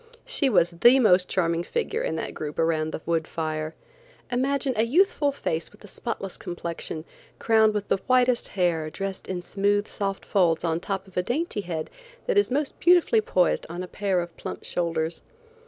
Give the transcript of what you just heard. She was the most charming figure in that group around the wood fire. Imagine a youthful face with a spotless complexion, crowned with the whitest hair, dressed in smooth, soft folds on the top of a dainty head that is most beautifully poised on a pair of plump shoulders.